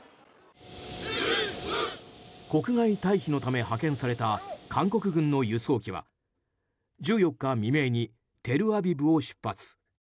国外退避のため派遣された韓国軍の輸送機は１４日未明にテルアビブを出発。